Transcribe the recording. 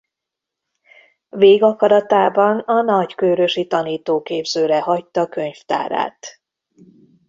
Végakaratában a Nagykőrösi Tanítóképzőre hagyta könyvtárát.